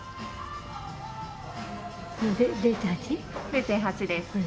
０．８です。